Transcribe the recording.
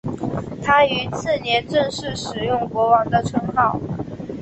他于次年正式使用国王的称号。